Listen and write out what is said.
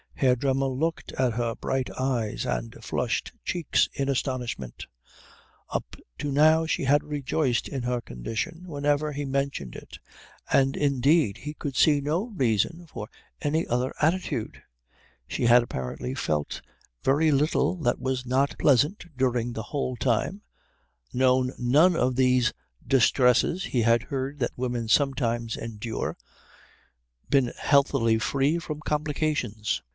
Herr Dremmel looked at her bright eyes and flushed cheeks in astonishment. Up to now she had rejoiced in her condition whenever he mentioned it, and indeed he could see no reason for any other attitude; she had apparently felt very little that was not pleasant during the whole time, known none of those distresses he had heard that women sometimes endure, been healthily free from complications.